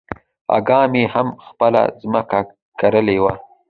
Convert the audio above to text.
اکا مې هم خپله ځمکه کرلې وه.